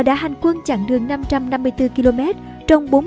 đã hành quân chặng đường năm trăm năm mươi bốn km trong